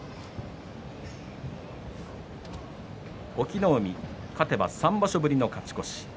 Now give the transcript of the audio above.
隠岐の海、勝てば３場所ぶりの勝ち越し。